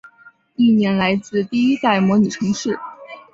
意念来自第一代模拟城市。